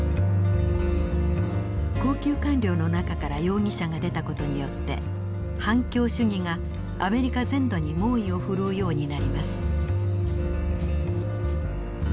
高級官僚の中から容疑者が出た事によって反共主義がアメリカ全土に猛威を振るうようになります。